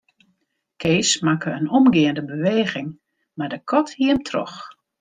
Kees makke in omgeande beweging, mar de kat hie him troch.